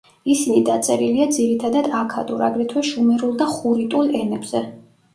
ისინი დაწერილია ძირითადად აქადურ, აგრეთვე შუმერულ და ხურიტულ ენებზე.